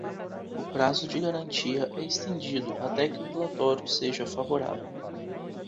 O prazo de garantia é estendido até que o relatório seja favorável.